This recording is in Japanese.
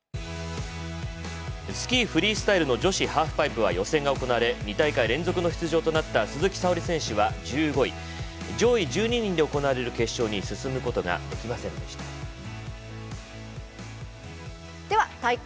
スキーフリースタイルの女子ハーフパイプは予選が行われ２大会連続の出場となった鈴木沙織選手は１５位上位１２人で行われる決勝に進むことができませんでした。